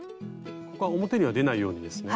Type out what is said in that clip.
ここは表には出ないようにですね。